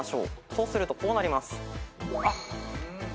そうするとこうなります。